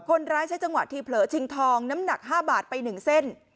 คนร้ายใช้จังหวะที่เผลอชิงทองน้ำหนัก๕บาทไป๑เส้น